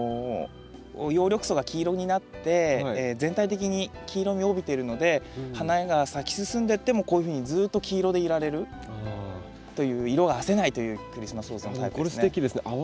葉緑素が黄色になって全体的に黄色みを帯びているので花が咲き進んでってもこういうふうにずっと黄色でいられるという色があせないというクリスマスローズのタイプですね。